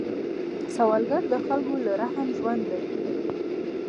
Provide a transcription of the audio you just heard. سوالګر د خلکو له رحم ژوندی دی